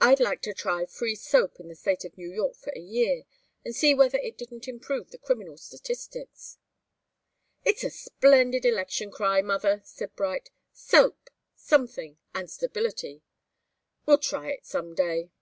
I'd like to try free soap in the State of New York for a year, and see whether it didn't improve the criminal statistics." "It's a splendid election cry, mother," said Bright. " 'Soap Something and Stability.' We'll try it some day."